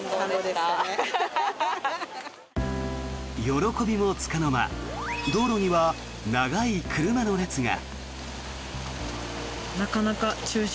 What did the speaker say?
喜びもつかの間道路には長い車の列が。